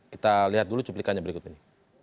kita lihat dulu cuplikannya berikut ini